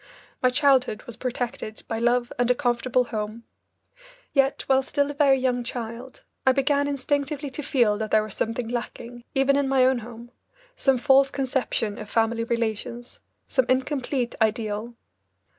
My childhood was protected by love and a comfortable home. Yet, while still a very young child, I began instinctively to feel that there was something lacking, even in my own home, some false conception of family relations, some incomplete ideal.